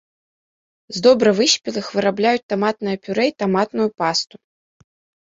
З добра выспелых вырабляюць таматнае пюрэ і таматную пасту.